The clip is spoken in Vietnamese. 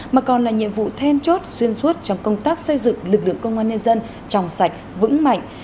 mà còn là nhiệm vụ then chốt xuyên suốt trong công tác xây dựng lực lượng công an nhân dân tròng sạch vững mạnh